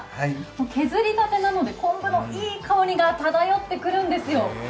削りたてなので、昆布のいい香りが漂ってくるんですよ。